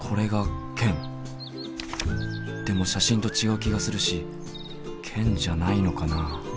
でも写真と違う気がするしケンじゃないのかな？